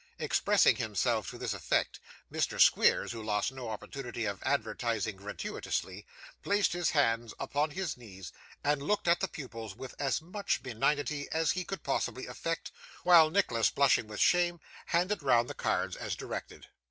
Expressing himself to this effect, Mr. Squeers, who lost no opportunity of advertising gratuitously, placed his hands upon his knees, and looked at the pupils with as much benignity as he could possibly affect, while Nicholas, blushing with shame, handed round the cards as directed.